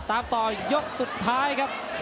ตามต่อยกสุดท้ายครับ